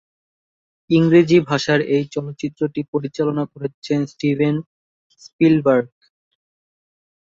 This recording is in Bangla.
ইংরেজি ভাষার এই চলচ্চিত্রটি পরিচালনা করেছেন স্টিভেন স্পিলবার্গ।